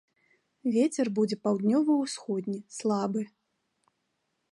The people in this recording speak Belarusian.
Вецер будзе паўднёва-ўсходні, слабы.